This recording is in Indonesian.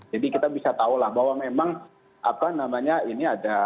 jadi kita bisa tahu lah bahwa memang apa namanya ini ada ada